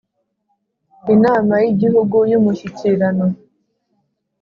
inama yigihugu yumushyikirano